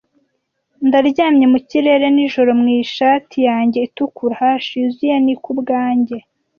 Ndaryamye mu kirere nijoro mwishati yanjye itukura, hush yuzuye ni kubwanjye,